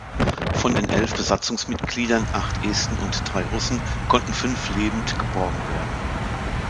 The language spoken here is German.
Von den elf Besatzungsmitgliedern, acht Esten und drei Russen, konnten fünf lebend geborgen werden.